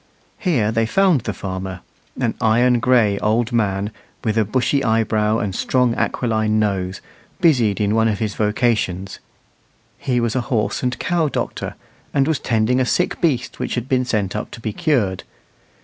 Here they found the farmer, an iron gray old man, with a bushy eyebrow and strong aquiline nose, busied in one of his vocations. He was a horse and cow doctor, and was tending a sick beast which had been sent up to be cured.